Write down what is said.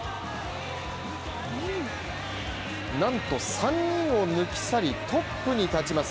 なんと３位を抜き去り、トップに立ちます。